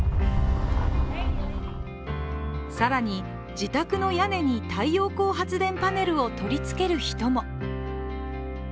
更に、自宅の屋根に太陽光発電パネルを取り付ける人も。